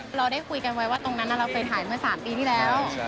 เราได้คุยกันไว้ว่าตรงนั้นเราเคยถ่ายเมื่อ๓ปีที่แล้ว